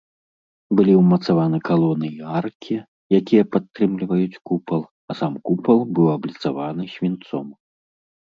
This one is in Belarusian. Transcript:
Былі ўмацаваны калоны і аркі, якія падтрымліваюць купал, а сам купал быў абліцаваны свінцом.